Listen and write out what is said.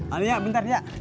aduh ya bentar ya